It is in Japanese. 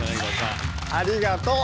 ありがとう！